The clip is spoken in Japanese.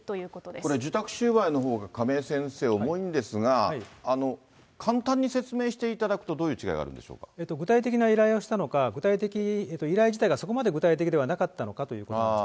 これ受託収賄のほうが、亀井先生、重いんですが、簡単に説明していただくと、具体的な依頼をしたのか、具体的、依頼自体がそこまで具体的ではなかったのかということです。